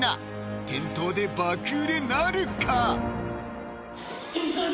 店頭で爆売れなるか？